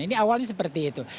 ini awalnya seperti itu